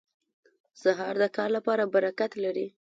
سهار د کار لپاره برکت لري.